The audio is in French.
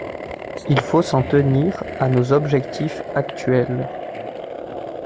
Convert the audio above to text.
Il faut s’en tenir à nos objectifs actuels.